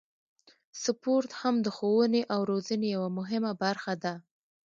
سپورت هم د ښوونې او روزنې یوه مهمه برخه ده.